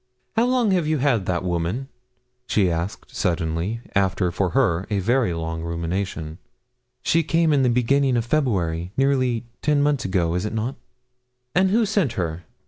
'How long have you had that woman?' she asked suddenly, after, for her, a very long rumination. 'She came in the beginning of February nearly ten months ago is not it?' 'And who sent her?'